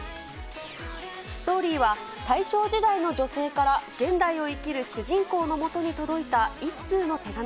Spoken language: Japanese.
ストーリーは、大正時代の女性から現代を生きる主人公のもとに届いた一通の手紙。